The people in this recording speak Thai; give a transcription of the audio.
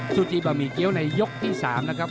ซูจีบะหมี่เกี้ยวในยกที่๓นะครับ